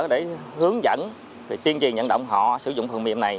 để hướng dẫn tiên truyền nhận động họ sử dụng phần mềm này